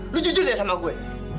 lu jujur ya sama gue